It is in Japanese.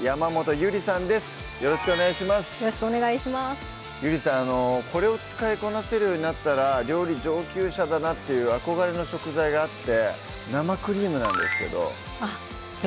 ゆりさんこれを使いこなせるようになったら料理上級者だなっていう憧れの食材があって生クリームなんですけどあっ